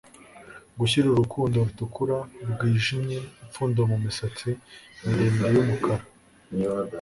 Gushyira urukundo rutukura rwijimye-ipfundo mumisatsi miremire yumukara.